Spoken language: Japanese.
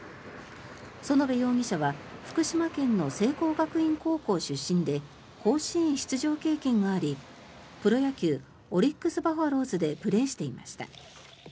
園部容疑者は福島県の聖光学院高校出身で甲子園出場経験がありプロ野球オリックス・バファローズでプレーしていました。